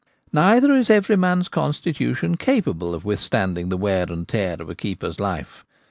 Neither is every man's constitution capable of withstanding the wear and tear of a keeper's life.